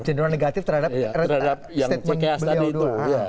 cenderung negatif terhadap statement beliau doa